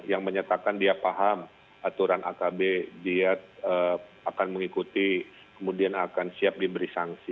yang menyatakan dia paham aturan akb dia akan mengikuti kemudian akan siap diberi sanksi